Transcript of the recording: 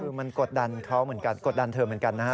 คือมันกดดันเขาเหมือนกันกดดันเธอเหมือนกันนะฮะ